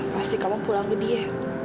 pasti kamu pulang ke dia